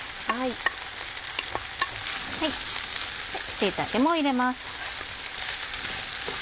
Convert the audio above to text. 椎茸も入れます。